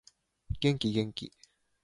元気元気